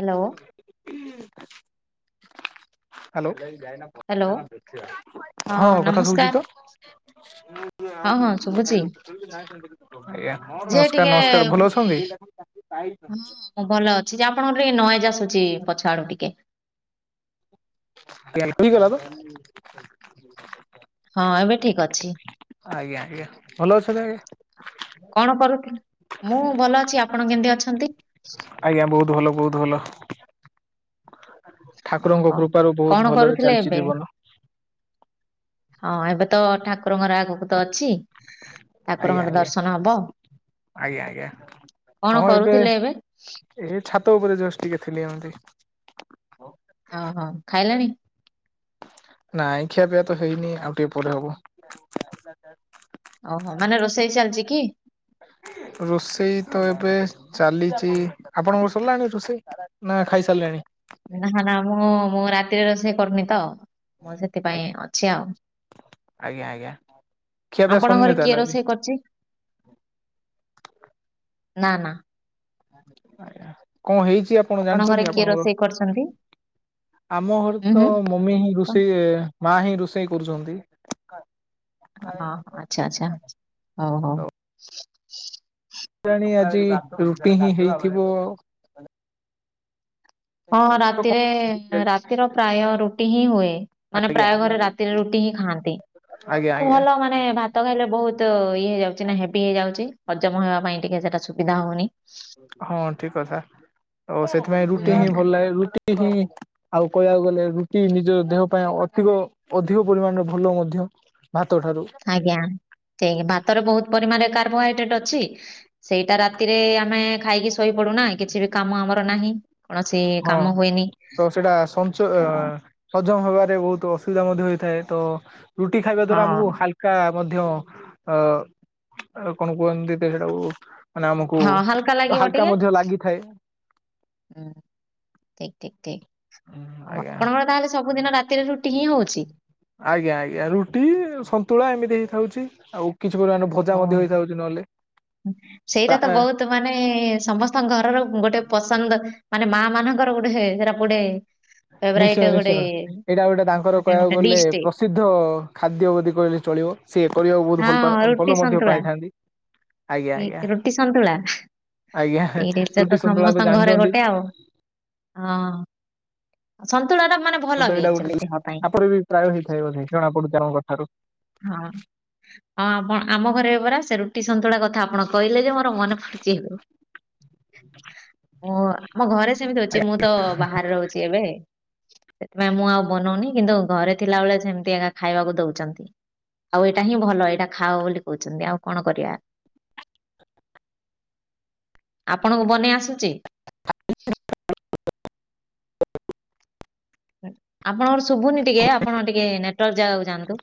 Hello ହଁ କଥା ଶଭୁଚି ହ୍ୟାଲୋ ତ ହଁ ମୁଁ ନମସ୍କାର ଆଉ ଗୋଟେ ହଁ ହଁ ଭାଇ ଶୁଭୁଛି ଆଜ୍ଞା ନମସ୍କାର ଯେ ନମସ୍କାର ଟିକେ ଭଲ ଅଛନ୍ତି ହଁ ମୁଁ ଭଲ ଅଛି ଯେ ଆପଣଙ୍କର ଟିକେ ନଏଜ ଆସୁଛି ପଛ ଆଡୁ ଟିକେ ଆଜ୍ଞା [unintelligible] ଆଜ୍ଞା ହଁ ଏବେ ଆଜ୍ଞା ଠିକ ଅଛି ଭଲ ଅଛନ୍ତି ଆଜ୍ଞା କଣ କରୁ ଥି ମୁଁ ଭଲ ଅଛି ଆପଣ କେମିତି ଅଛନ୍ତି ଆଜ୍ଞା ବହୁତ ଭଲ ବହୁତ ଭଲ ଠାକୁରଙ୍କ ଓହୋ କୃପାରୁ ବହୁତ କଣ ଭଲରେ କରୁଥିଲେ ଚାଲିଛି ଏବେ ଜୀବନ ହଁ ଏବେ ତ ଠାକୁରଙ୍କର ଆଗକୁ ତ ଅଛି ଆଜ୍ଞା ଠାକୁରଙ୍କର ଆଜ୍ଞା। ଦର୍ଶନ ହବ, ଆଜ୍ଞା ଆଜ୍ଞା କଣ କରୁଥିଲେ ଏବେ? ଏ ଛାତ ଉପରେ ଜୋସ୍ଟ ଟିକେ ଥିଲି ଏମିତି ଓହୋ ଖାଇଲେଣି ନାଇଁ ଖିଆ ପିଆ ତ ହେଇନି ଆଉ ଟିକେ ପରେ ହେବ [unintelligible] ଓହୋ ମାନେ ରୋଷେଇ ଚାଲିଛି କି ରୋଷେଇ ତ ଏବେ ଚାଲିଛି ଆପଣଙ୍କର ସରିଲାଣି ରୋଷେଇ ନା ଖାଇସାରିଲେଣି ନା ନା ମୁଁ ମୁଁ ରାତିରେ ରୋଷେଇ କରୁନି ତ ମୁଁ ସେଥିପାଇଁ ଆଜ୍ଞା ଅଛି ଆଉ ଆଜ୍ଞା ଆଜ୍ଞା ଖିଆ ପିଆ ଆପଣଙ୍କ ସରିନି ଘରେ ତାହେଲେ କିଏ ଆହୁରି? ରୋଷେଇ କରଚି ନା ନା ଆଜ୍ଞା କଣ ହେଇଛି ଆ କଣ ଆପଣଙ୍କ ଘରେ ଜାଣିଛନ୍ତି କିଏ ଆପଣଙ୍କର ରୋଷେଇ କରୁଛନ୍ତି? ଆମ ଘରେ ଉଁ ତ ହୁଁ ମମି ହିଁ କ- ରୋଷେଇ ମା ହିଁ ରୋଷେଇ କରୁଚନ୍ତି ହଁ ଆଚ୍ଛା ଆଚ୍ଛା ହଉ ତ ହଉ କେଜାଣି ଆଜି ରୁଟି ହିଁ ହେଇଥିବ ଆଉ ହଁ ରାତିରେ ରାତିର ପ୍ରାୟ ରୁଟି ହିଁ ହୁଏ ମାନେ ଆଜ୍ଞା ପ୍ରାୟ ଘରେ ରାତିରେ ରୁଟି ହିଁ ଖାଆନ୍ତି ଆଜ୍ଞା ଆଉ ଆଜ୍ଞା ଭଲ ମାନେ ମାନେ ଭାତ ଖାଇଲେ ବହୁତ ଇଏ ହେଇଯାଉଛି ନା ହେଭି ହେଇଯାଉଛି ହଜମ ହେବା ପାଇଁ ଟିକେ ସେଟା ସୁବିଧା ହଉନି ହଁ ଠିକ୍ କଥା ଆଉ ସେଥିପାଇଁ ହୁଁ ରୁଟି ହିଁ ଭଲ ଲାଗେ ରୁଟି ହିଁ ଆଉ କହିବାକୁ ଗଲେ ରୁଟି ନିଜ ଦେହ ପାଇଁ ଅଧିକ ଅଧିକ ପରିମାଣରେ ଭଲ ମଧ୍ୟ ଭାତଠାରୁ ଆଜ୍ଞା ଠିକ୍ ଭାତରେ ବହୁତ ପରିମାଣରେ କାର୍ବୋହାଇଡ୍ରେଟ ଅଛି ସେଇଟା ରାତିରେ ଆମେ ଖାଇକି ଶୋଇପଡୁନା କିଛି ବି କାମ ଆମର ନାହିଁ କୌଣସି ହଁ କାମ ହୁଏନି ତ ସେଇଟା ସଞ୍ଚ ଅ ହଁ ହଜମ ହବାରେ ବହୁତ ଅସୁବିଧା ମଧ୍ୟ ହୋଇଥାଏ ତ ରୁଟି ଖାଇବା ଦ୍ଵାରା ଆମକୁ ହାଲ ହାଲ୍କା ମଧ୍ୟ ଅ କଣ କୁହନ୍ତି ତ ସେଟାକୁ ମାନେ, ଆମକୁ ହଁ ହାଲକା ଲାଗିବ ହାଲ୍କା ମଧ୍ୟ ଲାଗିଥାଏ। ଠିକ୍, ଠିକ୍, ଠିକ୍। ଅ, ଆଜ୍ଞା ଆପଣଙ୍କର ତାହେଲେ ସବୁଦିନ ରାତିରେ ରୁଟି ହିଁ ହଉଛି। ଆଜ୍ଞା, ଆଜ୍ଞା, ରୁଟି, ସନ୍ତୁଳା ଏମିତି ହେଇଥାଉଛି। ଆଉ କିଛି ପରିମାଣର ଭଜା ଓ ମଧ୍ୟ ହେଇଥାଉଛି, ନହେଲେ। ସେଇଟା ବହୁତ ତ ମାନେ, ସମସ୍ତଙ୍କ ଘରର ଗୋଟେ ପସନ୍ଦ, ମାନେ ମା ମାନଙ୍କର ଗୋଟେ ସେଟା, ଗୋଟେ ଫେଭରାଇଟ୍ ନିଶ୍ଚୟ ଗୋଟେ ନିଶ୍ଚୟ ଏଇଟା ଗୋଟେ ତାଙ୍କର ମାନେ କହିବାକୁ ଗୋଟେ ଗଲେ, ଡିସ୍ ଟେ ପ୍ରସିଦ୍ଧ ଖାଦ୍ୟ ବୋଲି କହିଲେ ଚଳିବ। ସିଏ କରିବାକୁ ବହୁତ ହଁ ଭଲ ପା ରୁଟି ଭଲ ମଧ୍ୟ ସନ୍ତୁଳା ପାଇଥାନ୍ତି। ଆଜ୍ଞା ଆଜ୍ଞା ରୁଟି, ସନ୍ତୁଳା। ଆଜ୍ଞା ଏଇ ଜିସ ରୁଟି ତ ସନ୍ତୁଳା ସମସ୍ତ ଘରେ ଜାଣିଛନ୍ତି ଗୋଟେ ଆଉ। ହଁ, ସନ୍ତୁଳା ଟା ମାନେ ଭଲ ତ ବି ଏଇଟା ଗୋଟେ ଆକ୍ଚୁଆଲି ଡ଼ିସ, ଦେହ ପାଇଁ ଆପଣ ବି ପ୍ରାୟ ହେଇଥାଏ ବୋଧେ ଜଣା ପଡୁଛି, ଆପଣଙ୍କ କଥାରୁ। ହଁ, ହଁ, ଆମ ଆମ ଘରେ ପରା ସେ ରୁଟି ସନ୍ତୁଳା କ ଥା ଆପଣ କହିଲେ ଯେ ମୋର ମନେ ପଡୁଛି। ଓ, ଆମ ଘରେ ସେମିତି ହଉଛି, ମୁଁ ତ ବାହାରେ ରହୁଛି ଏବେ। ସେଥିପାଇଁ ମୁଁ ଆଉ ବନଉନି, କିନ୍ତୁ ଘରେ ଥିଲାବେଳେ ସେମିତି ଏକା ଖାଇବାକୁ ଦଉଛନ୍ତି। ଆଉ ଏଇଟା ହିଁ ଭଲ। ଏଇଟା ଖାଅ ବୋଲି କହୁଛନ୍ତି, ଆଉ କଣ କରିବା। ଆପଣଙ୍କୁ ବନେଇ ଆସୁଛି? ଆପଣଙ୍କର ଶୁଭୁନି ଟିକେ, ଆପଣ ଟିକେ ନେଟୱାର୍କ ଜାଗାକୁ ଯାଆନ୍ତୁ।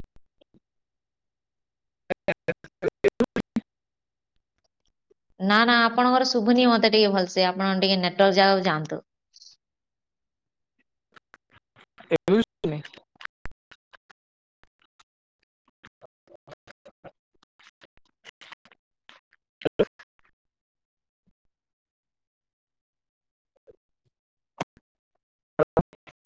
[unintelligible] ନା, ନା, ଆପଣଙ୍କର ଶୁଭୁନି ମତେ ଟିକେ ଭଲସେ, ଆପଣ ଟିକେ ନେଟୱାର୍କ ଯାଗାକୁ ଯାଆନ୍ତୁ। ଏବେ ବି ଶୁଭୁନି। [unintelligible] [unintelligible]